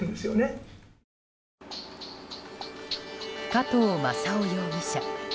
加藤正夫容疑者。